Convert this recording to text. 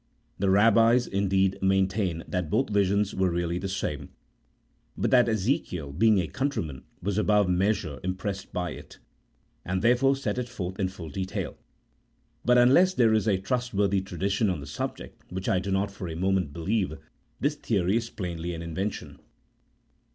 The Eabbis, indeed, maintain that both visions were really the same, but that Ezekiel, being a countryman, was above measure impressed by it, and therefore set it forth in full detail; but unless there is a trustworthy tradition on the subject, which I do not for a moment believe, this theory is plainly an invention.